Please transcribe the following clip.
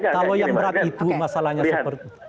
kalau yang berat itu masalahnya seperti itu